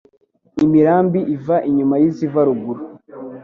Imirambi iva inyuma y'iziva ruguru,